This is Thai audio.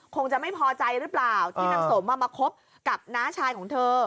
คงจะไม่พอใจหรือเปล่าที่นางสมมาคบกับน้าชายของเธอ